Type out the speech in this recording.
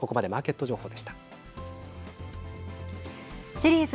シリーズ